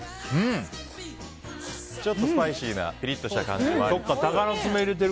ちょっとスパイシーなピリッとした感じもあって。